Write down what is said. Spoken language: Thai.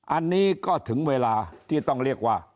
อันนี้ก็ถึงเวลาที่ต้องเรียกว่า